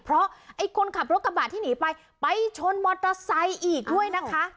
เพราะไอ้คนขับรถกระบะที่หนีไปไปชนมอเตอร์ไซค์อีกด้วยนะคะ